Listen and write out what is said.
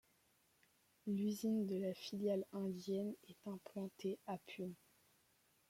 L'usine de la filiale indienne est implantée à Pune.